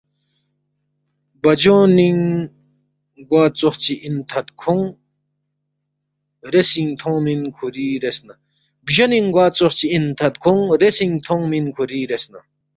بجونینگ گوا ژوخچی اِن تھدکھونگ ، ریسینگ تھونگمن کھوری ریسنا